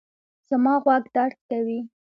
زما غوږ درد کوي